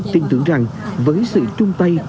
tưởng rằng với sự chung tay